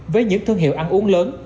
với những thương hiệu ăn uống lớn